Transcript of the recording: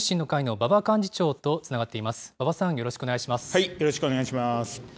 馬場さん、よろしくお願いします。